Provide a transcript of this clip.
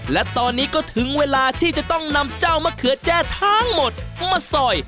และตอนนี้ก็ถึงเวลาที่จะต้องนำเจ้ามะเขือแจ้ทั้งหมดมาสอย